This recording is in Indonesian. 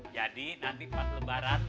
jadi nanti pas lebaran